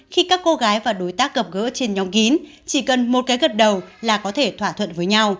khi các cô gái và đối tác gặp gỡ trên nhóm kín chỉ cần một cái gật đầu là có thể thỏa thuận với nhau